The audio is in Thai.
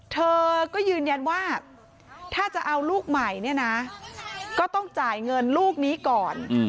เธอก็ยืนยันว่าถ้าจะเอาลูกใหม่เนี่ยนะก็ต้องจ่ายเงินลูกนี้ก่อน